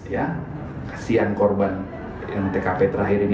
ya kasihan korban dengan tkp terakhir ini